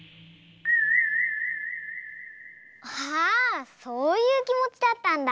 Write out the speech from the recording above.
ああそういうきもちだったんだ。